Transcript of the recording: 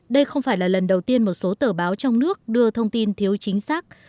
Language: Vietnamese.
đây không phải là lần đầu tiên một số tờ báo trong nước đưa thông tin thiếu chính xác